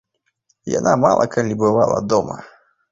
Яна мала калі бывала дома.